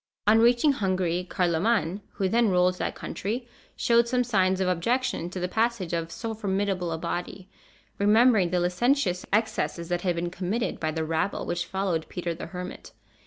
On reaching Hungary, Carloman, who then ruled that country, showed some signs of objection to the passage of so formidable a body, remembering the licentious excesses that had been committed by the rabble which followed Peter the Hermit.